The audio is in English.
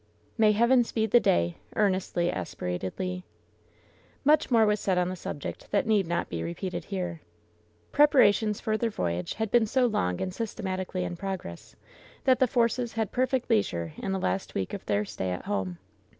"May Heaven speed the day 1" earnestly aspirated Le. Much more was said on the subject that need not be repeated here. Preparations for their voyage had been so long and systematically in progress that the Forces had perfect leisure in the last week of their stay at home.